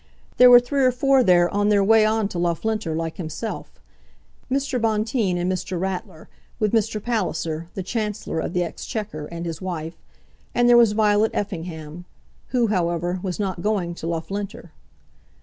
There were three or four there on their way on to Loughlinter, like himself, Mr. Bonteen and Mr. Ratler, with Mr. Palliser, the Chancellor of the Exchequer, and his wife, and there was Violet Effingham, who, however, was not going to Loughlinter.